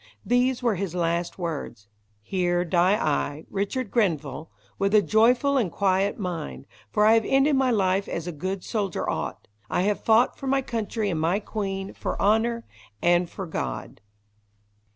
These were his last words: "Here die I, Richard Grenville, with a joyful and quiet mind, for I have ended my life as a good soldier ought. I have fought for my country and my queen, for honour, and for God."